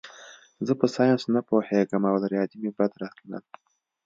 زه په ساینس نه پوهېږم او له ریاضي مې بد راتلل